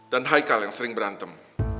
dan haikal yang sering berantem